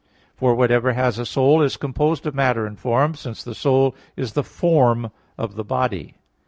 For whatever has a soul is composed of matter and form; since the soul is the form of the body.